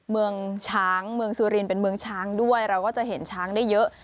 เมืองช้างเมืองสุรินเป็นเมืองช้างด้วยเราก็จะเห็นช้างได้เยอะ